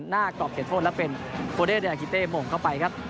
หน้ากรอบเขตโฆษณ์และเป็นโฟเดร์เดราคิเต้มงค์เข้าไปครับ